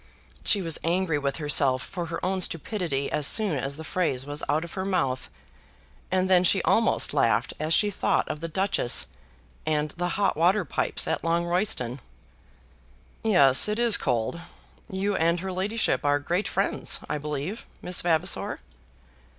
She was angry with herself for her own stupidity as soon as the phrase was out of her mouth, and then she almost laughed as she thought of the Duchess and the hot water pipes at Longroyston. "Yes, it is cold. You and her ladyship are great friends, I believe, Miss Vavasor."